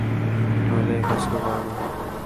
নইলে এই কাজ কেউ করে না।